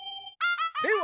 では